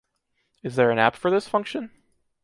Is there an app for this function?